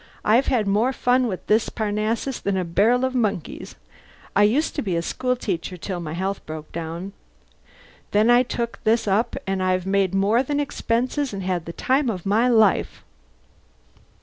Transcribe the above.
I've had more fun with this Parnassus than a barrel of monkeys. I used to be a school teacher till my health broke down. Then I took this up and I've made more than expenses and had the time of my life."